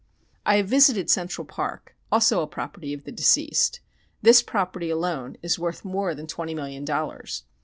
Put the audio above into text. I have visited Central Park, also a property of the deceased; this property alone is worth more than twenty million dollars....